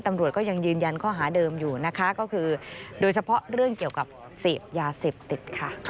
ตำรวจยังยืนยันข้อหาเดิมโดยเฉพาะเรื่องเกี่ยวกับเสพยาเสพติด